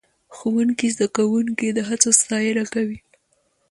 ښوونکی زده کوونکي د هڅو ستاینه کوي